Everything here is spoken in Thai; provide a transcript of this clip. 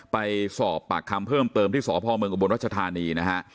ไปสอบปากคำเพิ่มเติมที่สพบรรชธานีนะฮะ